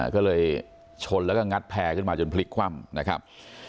ก็เลยชนแล้วก็งัดแพร่ขึ้นมาจนพลิกคว่ำนะครับ